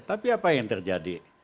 tapi apa yang terjadi